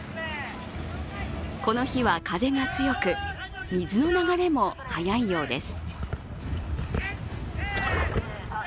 この日は風が強く、水の流れも速いようです。